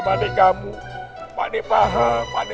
berarti udah akhirnya pr